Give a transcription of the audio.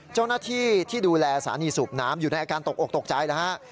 เจ้าหน้าที่ที่ดูแลสถานีสูบน้ำอยู่ในอาการตกอกตกใจแล้วฮะ